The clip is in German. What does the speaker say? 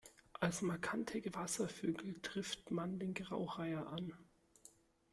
Als markante Wasservögel trifft man den Graureiher an.